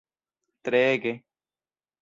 treege